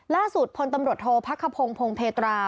ล่าสุดพลตำรวจโทษพักขพงศ์พงเพตรา